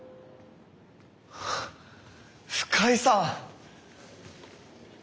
深井さん！